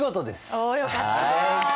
およかった。